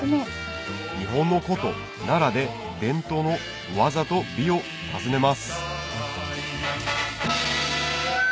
日本の古都・奈良で伝統の技と美を訪ねます